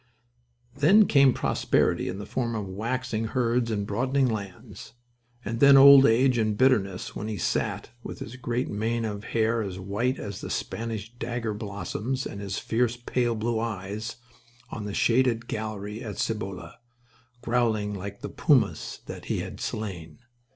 Then came prosperity in the form of waxing herds and broadening lands. And then old age and bitterness, when he sat, with his great mane of hair as white as the Spanish dagger blossoms and his fierce, pale blue eyes, on the shaded gallery at Cibolo, growling like the pumas that he had slain.